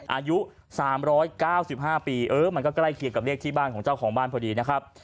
อายุสามร้อยเก้าสิบห้าปีเออมันก็ใกล้เคียงกับเลขที่บ้านของเจ้าของบ้านพอดีนะครับ